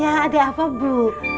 ya ada apa bu